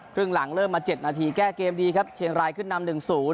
ครึ่งหลังเริ่มมา๗นาทีแก้เกมดีครับเชียงรายขึ้นนำ๑๐